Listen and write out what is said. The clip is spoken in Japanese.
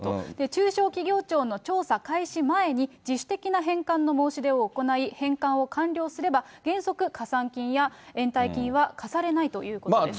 中小企業庁の調査開始前に、自主的な返還の申し出を行い、返還を完了すれば、原則、加算金や延滞金は科されないということです。